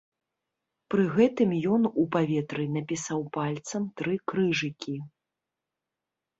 Пры гэтым ён у паветры напісаў пальцам тры крыжыкі.